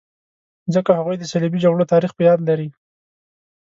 ځکه هغوی د صلیبي جګړو تاریخ په یاد لري.